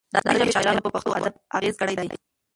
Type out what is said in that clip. د عربي ژبې شاعرانو په پښتو ادب اغېز کړی دی.